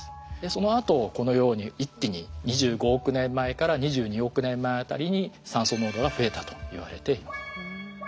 そのあとこのように一気に２５億年前から２２億年前辺りに酸素濃度が増えたといわれています。